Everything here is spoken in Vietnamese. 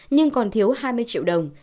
nhưng còn thiếu hai mươi triệu đồng